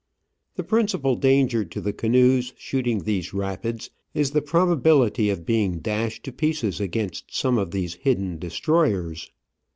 The principal danger to the canoes shooting these rapids is the probability of being dashed to pieces against some of these hidden destroyers.